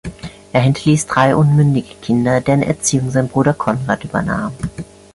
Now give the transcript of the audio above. Er hinterließ drei unmündige Kinder, deren Erziehung sein Bruder Conrad übernahm.